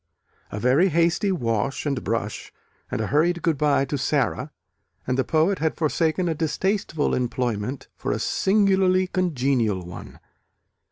A very hasty wash and brush, and a hurried goodbye to Sara, and the poet had forsaken a distasteful employment for a singularly congenial one.